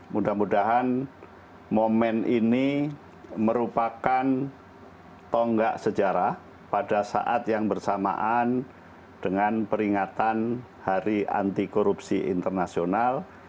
mudah mudahan momen ini merupakan tonggak sejarah pada saat yang bersamaan dengan peringatan hari anti korupsi internasional